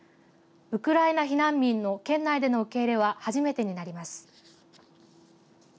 ウクライナ避難民の県内での受け入れは初めてになります。